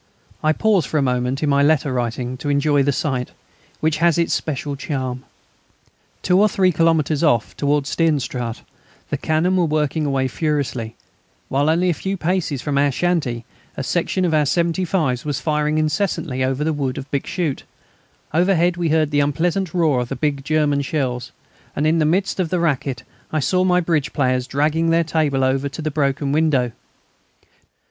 I pause for a moment in my letter writing to enjoy the sight, which has its special charm. Two or three kilometres off, towards Steenstraate, the cannon were working away furiously, while only a few paces from our shanty a section of our 75's was firing incessantly over the wood upon Bixschoote; overhead we heard the unpleasant roar of the big German shells; and in the midst of the racket I saw my bridge players dragging their table over to the broken window.